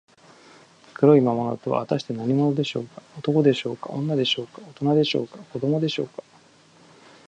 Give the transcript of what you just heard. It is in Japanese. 黒い魔物とは、はたして何者でしょうか。男でしょうか、女でしょうか、おとなでしょうか、子どもでしょうか。